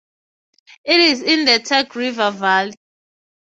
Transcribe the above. It is in the Tech River valley.